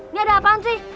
ini ada apaan sih